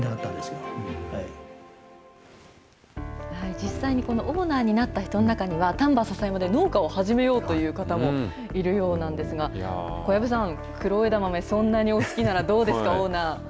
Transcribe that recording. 実際にこのオーナーになった人の中には、丹波篠山で農家を始めようという方もいるようなんですが、小籔さん、黒枝豆、そんなにお好きなら、どうですか、オーナー。